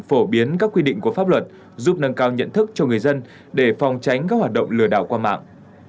phổ biến các quy định của pháp luật giúp nâng cao nhận thức cho người dân để phòng tránh các hoạt động lừa đảo qua mạng